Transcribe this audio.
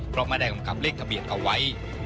เพราะไม่ได้บังคับเลขทะเบียนเอาไว้